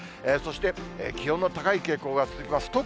そして、気温の高い傾向が続きます。